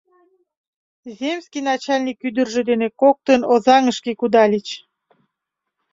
— Земский начальник ӱдыржӧ дене коктын Озаҥышке кудальыч.